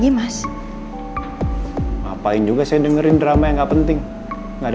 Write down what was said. ikut baju tuah luarr hiss yuk